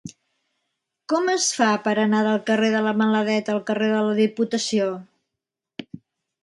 Com es fa per anar del carrer de la Maladeta al carrer de la Diputació?